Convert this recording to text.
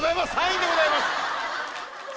３位でございます。